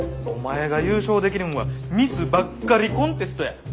お前が優勝できるんはミスばっかりコンテストや。